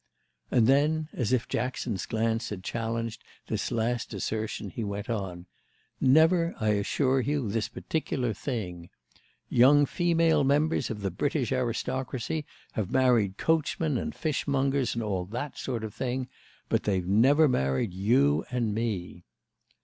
And then as if Jackson's glance had challenged this last assertion he went on: "Never, I assure you, this particular thing. Young female members of the British aristocracy have married coachmen and fishmongers and all that sort of thing; but they've never married you and me."